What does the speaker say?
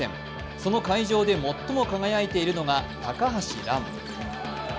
その会場で最も輝いているのが高橋藍。